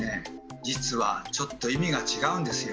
実はちょっと意味が違うんですよ。